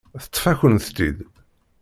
Teṭṭef-akent-t-id.